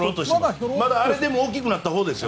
あれでも大きくなったほうですよ